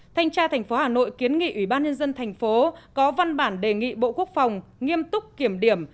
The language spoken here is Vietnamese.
thanh tra thành phố hà nội kiến nghị ủy ban nhân dân thành phố có văn bản đề nghị bộ quốc phòng nghiêm túc kiểm điểm